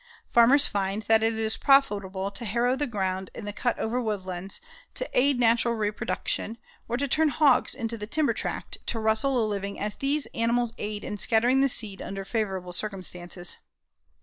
Farmers find that it is profitable to harrow the ground in the cut over woodlands to aid natural reproduction, or to turn hogs into the timber tract to rustle a living as these animals aid in scattering the seed under favorable circumstances.